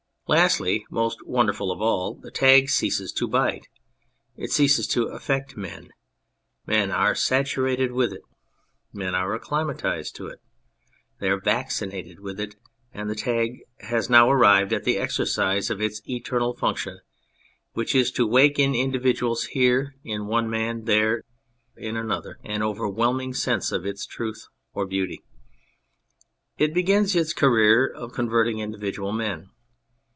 Lastly most wonderful of all ! the tag ceases to bite : it ceases to affect men ; men are saturated with it. Men are acclimatised to it. They are vaccinated with it ; and the tag has now arrived at the exercise of its eternal function, which is to wake in individuals, here in one man, there in another, an overwhelming sense of its truth (or beauty). It begins its career of converting individual men.